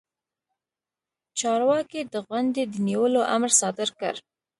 چارواکي د غونډې د نیولو امر صادر کړ.